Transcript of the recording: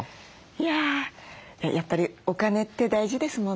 いややっぱりお金って大事ですもんね。